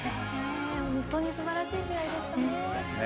本当にすばらしい試合でしたね。